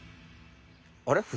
あれ？